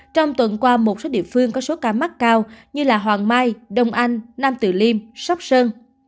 trong tuần qua một số địa phương có số ca mắc cao như hoàng mai đông anh nam tử liêm sóc sơn